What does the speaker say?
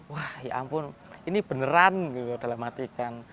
wah ya ampun ini beneran gitu dalam hati kan